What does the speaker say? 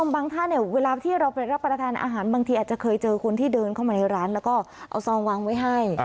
บางท่านเวลาที่เราไปรับประทานอาหารบางทีอาจจะเคยเจอคนที่เดินเข้ามาในร้านแล้วก็เอาซองวางไว้ให้